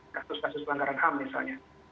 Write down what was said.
kasus kasus pelanggaran ham misalnya